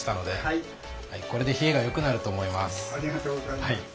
ありがとうございます。